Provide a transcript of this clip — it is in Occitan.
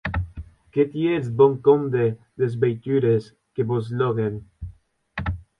Que tietz bon compde des veitures que vos lòguen!